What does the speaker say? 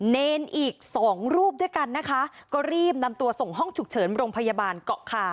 เนรอีกสองรูปด้วยกันนะคะก็รีบนำตัวส่งห้องฉุกเฉินโรงพยาบาลเกาะคา